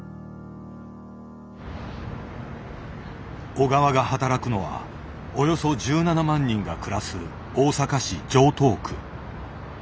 小川が働くのはおよそ１７万人が暮らす大阪市城東区。